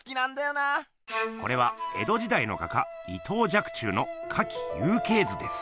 これは江戸時だいの画家伊藤若冲の「花卉雄鶏図」です。